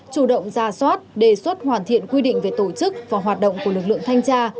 chủ động ra soát đề xuất hoàn thiện quy định về tổ chức và hoạt động của lực lượng thanh tra